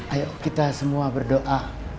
ayo kita semua berdoa